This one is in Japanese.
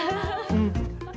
うん。